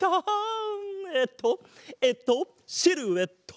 えっとえっとシルエット！